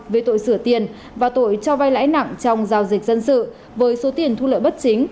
về tội sửa tiền và tội cho vai lãi nặng trong giao dịch dân sự với số tiền thu lợi bất chính